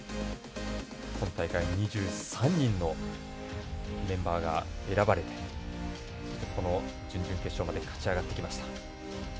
今大会２３人のメンバーが選ばれてこの準々決勝まで勝ち上がってきました。